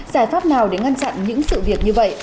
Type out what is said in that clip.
giải pháp nào để ngăn chặn những sự việc như vậy